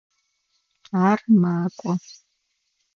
Ар макӏо.